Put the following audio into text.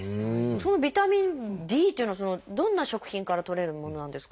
そのビタミンＤというのはどんな食品からとれるものなんですか？